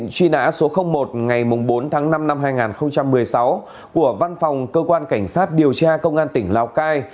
truy nã số một ngày bốn tháng năm năm hai nghìn một mươi sáu của văn phòng cơ quan cảnh sát điều tra công an tỉnh lào cai